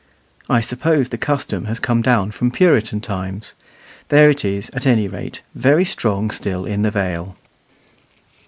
I suppose the custom has come down from Puritan times. There it is, at any rate, very strong still in the Vale.